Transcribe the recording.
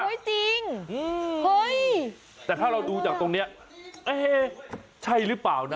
เลยจริงแต่ถ้าเราดูจากตรงเนี่ยเอ๊ยเฮ่ใช่หรือเปล่าน่ะ